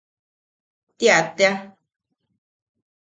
¡Tia tea!